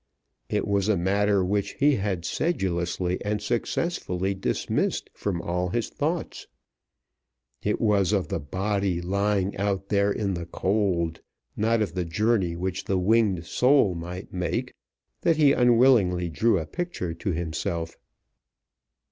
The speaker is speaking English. It was a matter which he had sedulously and successfully dismissed from all his thoughts. It was of the body lying out there in the cold, not of the journey which the winged soul might make, that he unwillingly drew a picture to himself.